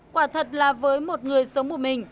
quả thật là với một người sống một mình